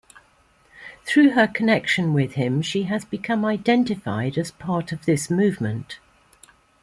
Through her connection with him she has become identified as part of this movement.